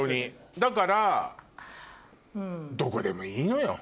だからどこでもいいのよ。